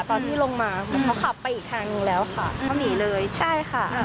ตอนที่ลงมาเหมือนเขาขับไปอีกทางหนึ่งแล้วค่ะเขาหนีเลยใช่ค่ะ